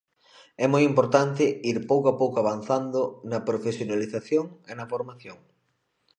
É moi importante ir pouco a pouco avanzando na profesionalización e na formación.